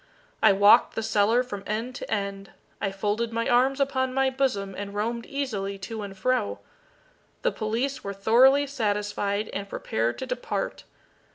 I walked the cellar from end to end. I folded my arms upon my bosom, and roamed easily to and fro. The police were thoroughly satisfied, and prepared to depart.